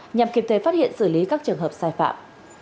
nhằm kịp thời phát hiện xử lý các trường hợp sai phạm